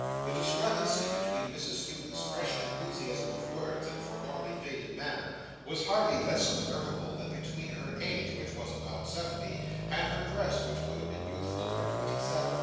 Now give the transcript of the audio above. The discrepancy between Mrs Skewton's fresh enthusiasm of words, and forlornly faded manner, was hardly less observable than that between her age, which was about seventy, and her dress, which would have been youthful for twenty seven.